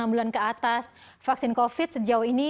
enam bulan ke atas vaksin covid sejauh ini